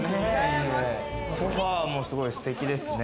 ソファもすごいステキですね。